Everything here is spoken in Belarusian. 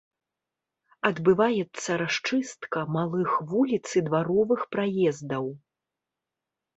Адбываецца расчыстка малых вуліц і дваровых праездаў.